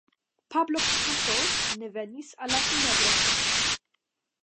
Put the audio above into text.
Pablo Picasso ne venis al la funebro.